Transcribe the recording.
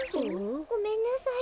ごめんなさい。